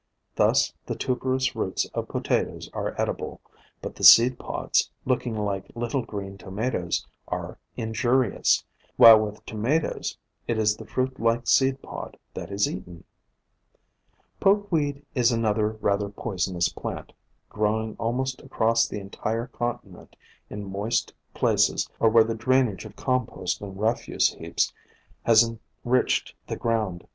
Thus the tuberous roots of Potatoes are edible, but the seed pods, looking like little green Tomatoes, are injurious, while with Tomatoes it is the fruit like seed pod that is eaten. Pokeweed is another rather poisonous plant, growing almost across the entire continent in moist places or where the drainage of compost and refuse heaps has enriched the ground.